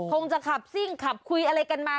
คงจะขับซิ่งขับคุยอะไรกันมา